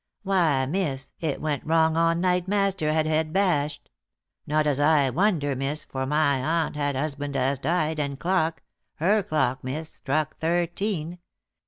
"Why, miss, it went wrong on night master had head bashed. Not as I wonder, miss, for my aunt had husband as died, and clock her clock, miss struck thirteen.